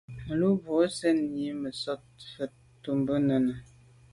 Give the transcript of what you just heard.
Lo’ mbwe nse’ yi me sote mfèt tô bo nène.